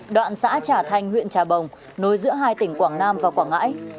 đoạn xã trà thanh huyện trà bồng nối giữa hai tỉnh quảng nam và quảng ngãi